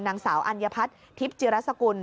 นางสาวอัญพัฒน์ทิพย์จิรสกุล